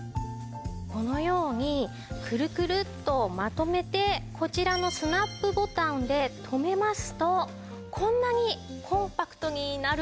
このようにくるくるっとまとめてこちらのスナップボタンで留めますとこんなにコンパクトになるんです。